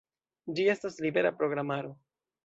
Ĝi estas libera programaro.